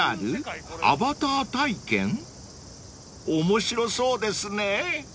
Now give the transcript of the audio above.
［面白そうですね］